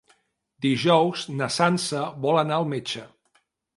Dijous na Sança vol anar al metge.